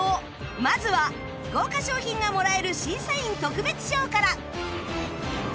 まずは豪華賞品がもらえる審査員特別賞から